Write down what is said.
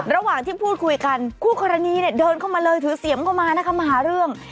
ระหว่างที่พูดคุยกันคู่กรณีเนี่ยเดินเข้ามาเลยถือเสียมเข้ามานะคะมาหาเรื่อง